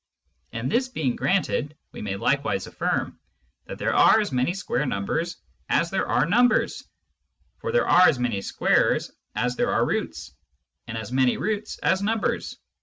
And this being granted, we may likewise affirm, that there are as many square Numbers, as there are Numbers ; for there are as many Squares as there are Roots, and as many Roots as Numbers.